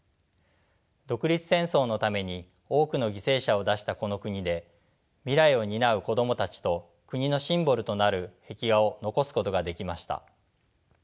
独立戦争のために多くの犠牲者を出したこの国で未来を担う子供たちと国のシンボルとなる壁画を残すことができました。